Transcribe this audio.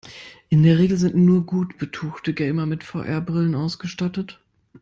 In der Regel sind nur gut betuchte Gamer mit VR-Brillen ausgestattet.